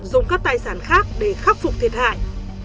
dùng các tài sản khác để khắc phục thiệt hại